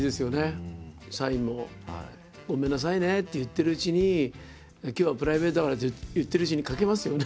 サインも「ごめんなさいね」って言ってるうちに「今日はプライベートだから」って言ってるうちに書けますよね。